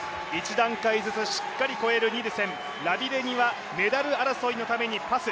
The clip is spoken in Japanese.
１段階ずつしっかり越えるニルセンラビレニはメダル争いのためにパス。